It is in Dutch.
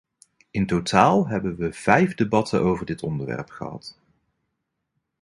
In totaal hebben we vijf debatten over dit onderwerp gehad.